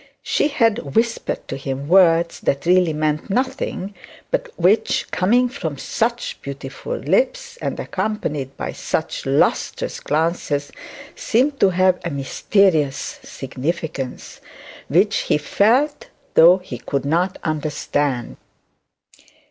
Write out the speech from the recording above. She had whispered to him words that really meant nothing, but which coming from such beautiful lips, and accompanied by such lustrous glances, seemed to have a mysterious significance, which he felt though he could not understand.